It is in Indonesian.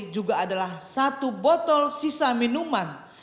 juga adalah satu botol sisa minuman